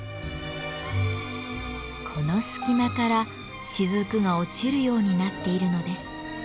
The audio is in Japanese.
この隙間から滴が落ちるようになっているのです。